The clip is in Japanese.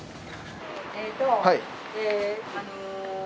えっとあの。